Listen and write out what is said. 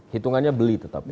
hitungannya beli tetap ya